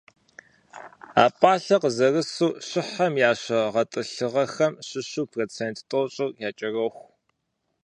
А пӀалъэр къызэрысу, щыхьхэм я щэ гъэтӏылъыгъэхэм щыщу процент тӀощӀыр якӀэроху.